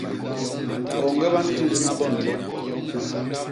Boñge ba ntindna bo ni bo.